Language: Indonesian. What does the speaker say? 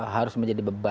harus menjadi beban